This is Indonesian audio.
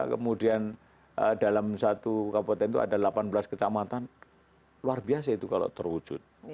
kemudian dalam satu kabupaten itu ada delapan belas kecamatan luar biasa itu kalau terwujud